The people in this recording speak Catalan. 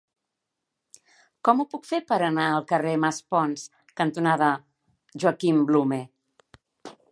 Com ho puc fer per anar al carrer Maspons cantonada Joaquim Blume?